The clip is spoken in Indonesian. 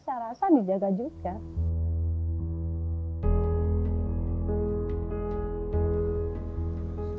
saya rasa dijaga juga